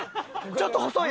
ちょっと細い。